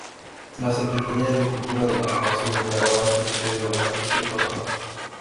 La Secretaría de Cultura de la Nación declaró a este predio Lugar Histórico Nacional.